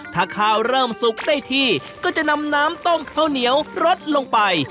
ถ้าข้าวเริ่มสุกได้ที่ก็จะนำน้ำต้มข้าวเหนียวรสลงไป